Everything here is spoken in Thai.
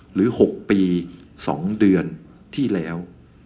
หรือ๖ปี๒เดือนที่แล้ว